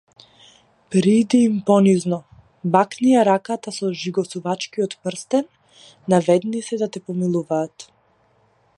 Пријди им понизно, бакни ја раката со жигосувачкиот прстен, наведни се да те помилуваат.